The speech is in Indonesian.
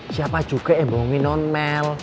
siapa juga yang bohongin mel